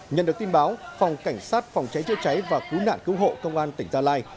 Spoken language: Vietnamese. nhận được tin báo phòng cảnh sát phòng cháy chữa cháy và cứu nạn cứu hộ công an tỉnh gia lai